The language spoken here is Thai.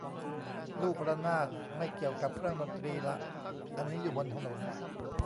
ลูกระนาด ไม่เกี่ยวกับเครื่องดนตรีละ อันนี้อยู่บนถนน